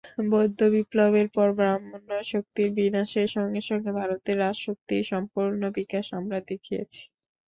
বৌদ্ধবিপ্লবের পর ব্রাহ্মণ্যশক্তির বিনাশের সঙ্গে সঙ্গে ভারতের রাজশক্তির সম্পূর্ণ বিকাশ আমরা দেখিয়াছি।